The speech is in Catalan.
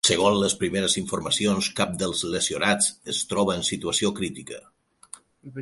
Segons les primeres informacions, cap dels lesionats es troba en situació crítica.